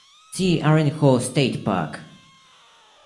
See Iron Horse State Park.